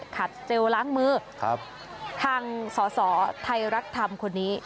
ขาดเจลล้างมือครับทางสอบไพรรักฐำคนนี้